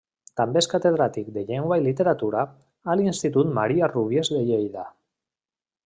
També és catedràtic de llengua i literatura a l'Institut Maria Rúbies de Lleida.